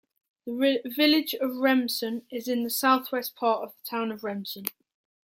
The Village of Remsen is in the southwest part of the Town of Remsen.